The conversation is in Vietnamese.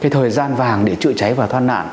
thời gian vàng để trự cháy và thoát nạn